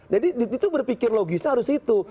jadi itu berpikir logisnya harus itu